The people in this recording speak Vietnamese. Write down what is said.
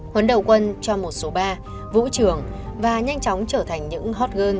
huấn đầu quân cho một số ba vũ trường và nhanh chóng trở thành những hot girl